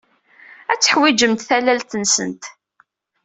Ad teḥwijemt tallalt-nsent.